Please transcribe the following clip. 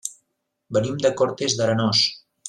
Venim de Cortes d'Arenós.